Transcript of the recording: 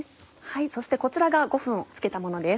そしてこちらが５分つけたものです。